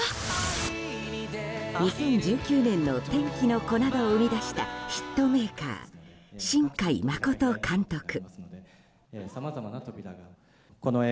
２０１９年の「天気の子」などを生み出したヒットメーカー新海誠監督。